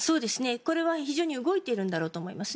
これは非常に動いているんだろうと思います。